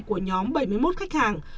của nhóm bảy mươi một khách hàng